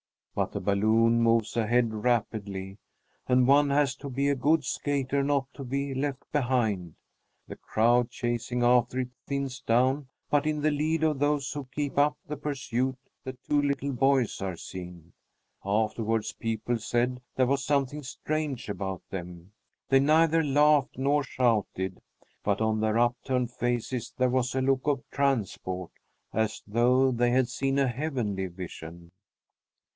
But the balloon moves ahead rapidly, and one has to be a good skater not to be left behind. The crowd chasing after it thins down, but in the lead of those who keep up the pursuit the two little boys are seen. Afterwards people said there was something strange about them. They neither laughed nor shouted, but on their upturned faces there was a look of transport as though they had seen a heavenly vision.